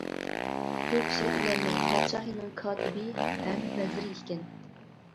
بۇ كىشى ئۇلارنىڭ پادىشاھىنىڭ كاتىپى ھەم ۋەزىرى ئىكەن.